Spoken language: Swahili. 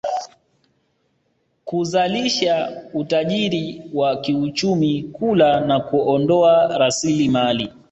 kuzalisha utajiri wa kiuchumi kula na kuondoa rasilimali